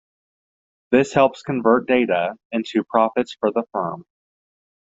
This helps convert data into profits for the firm.